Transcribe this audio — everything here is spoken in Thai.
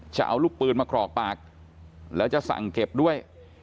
จะเอาลูกปืนมากรอกปากแล้วจะสั่งเก็บด้วย